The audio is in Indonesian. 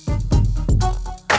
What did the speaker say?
kabung butter kue